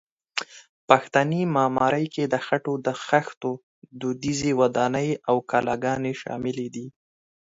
پښتني معمارۍ کې د خټو د خښتو دودیزې ودانۍ او کلاګانې شاملې دي.